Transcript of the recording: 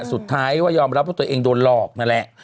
สุดท้ายก็ยอมรับว่าตัวเองโดนหลอกนั่นแหละ